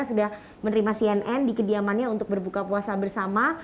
sudah menerima cnn di kediamannya untuk berbuka puasa bersama